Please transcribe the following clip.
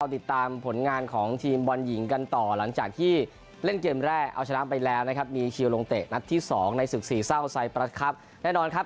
ติดตามผลงานของทีมบอลหญิงกันต่อหลังจากที่เล่นเกมแรกเอาชนะไปแล้วนะครับมีคิวลงเตะนัดที่สองในศึกสี่เศร้าไซปรัสครับแน่นอนครับ